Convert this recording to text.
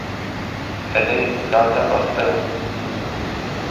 Erê ya te rasttir e.